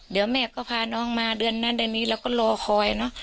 เดี๋ยวแม่ก็พาน้องมาเดือนนั้นอันนี้แล้วก็รอคอย